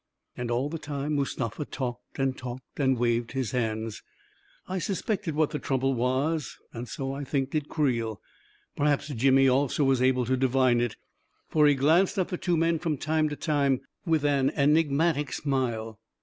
And all the time Mustafa talked and talked and waved his hands ... I suspected what the trouble was, and so, I think, did Creel. Perhaps Jimmy also was able to divine it, for he glanced at the two men from time to time with an enigmatic smile.